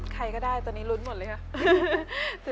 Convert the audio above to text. ใครก็ได้ตอนนี้ลุ้นหมดเลยค่ะ